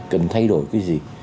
cần thay đổi cái gì